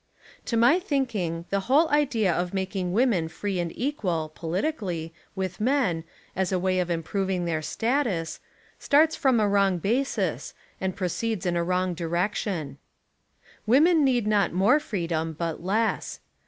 To my thinking the whole idea of making women free and equal (politically) with men 157 Essays and Literary Studies as a way of improving their status, starts from a wrong basis and proceeds in a wrong direc tion. Women need not more freedom but less.